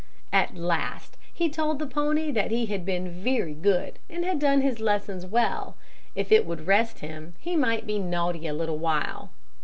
At last, he told the pony that he had been very good, and had done his lessons well; if it would rest him, he might be naughty a little while.